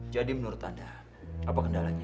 jadi menurut anda apa kendalanya